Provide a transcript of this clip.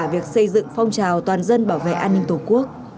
việc xây dựng phong trào toàn dân bảo vệ an ninh tổ quốc